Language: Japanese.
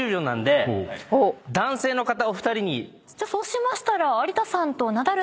じゃあそうしましたら。